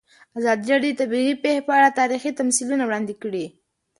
ازادي راډیو د طبیعي پېښې په اړه تاریخي تمثیلونه وړاندې کړي.